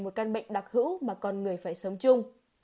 một căn bệnh đặc hữu mà con người phải sống chung